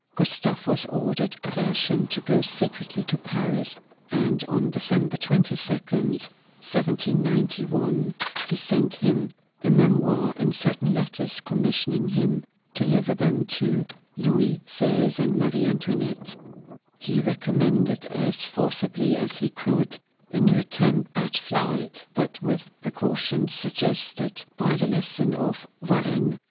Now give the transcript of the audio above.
Gustavus ordered Fersen to go secretly to Paris, and on December 22, 1791, he sent him a memoir and certain letters, commissioning him to deliver them to Louis XVI. and Marie Antoinette. He recommended, as forcibly as he could, a new attempt at flight, but with precautions suggested by the lesson of Varennes.